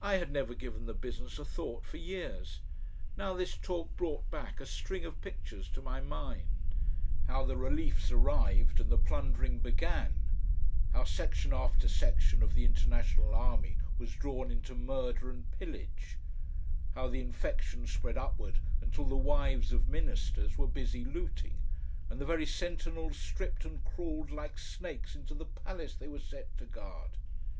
I had never given the business a thought for years; now this talk brought back a string of pictures to my mind; how the reliefs arrived and the plundering began, how section after section of the International Army was drawn into murder and pillage, how the infection spread upward until the wives of Ministers were busy looting, and the very sentinels stripped and crawled like snakes into the Palace they were set to guard.